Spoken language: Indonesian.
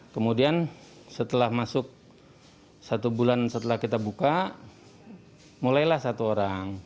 kemudian setelah masuk satu bulan setelah kita buka mulailah satu orang